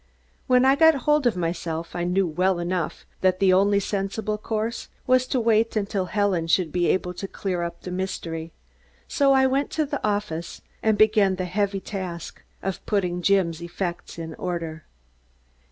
When I got hold of myself, I knew well enough that the only sensible course was to wait until Helen should be able to clear up the mystery, so I went to the office and began the heavy task of putting Jim's effects in order.